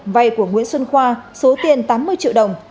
vay của nguyễn xuân khoa số tiền tám mươi triệu đồng